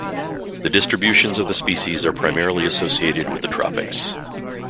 The distributions of the species are primarily associated with the tropics.